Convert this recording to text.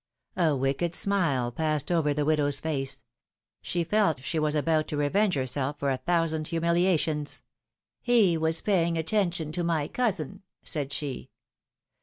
'^ A wicked smile passed over the widow's face. She felt she was about to revenge herself for a thousand humilia tions. ^'He was paying attention to my cousin," said she.